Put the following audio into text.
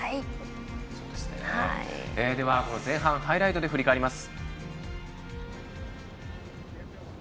では、前半をハイライトで振り返ります。